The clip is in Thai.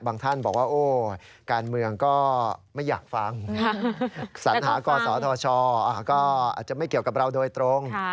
ท่านบอกว่าโอ้การเมืองก็ไม่อยากฟังสัญหากศธชก็อาจจะไม่เกี่ยวกับเราโดยตรง